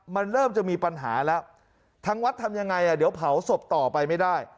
มันเริ่มจะมีปัญหาแล้วทางวัดทำยังไงอ่ะเดี๋ยวเผาศพต่อไปไม่ได้